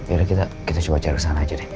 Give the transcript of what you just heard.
yaudah kita coba cari kesana aja deh